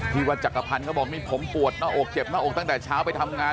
ที่วัดจักรพันธ์เขาบอกนี่ผมปวดหน้าอกเจ็บหน้าอกตั้งแต่เช้าไปทำงาน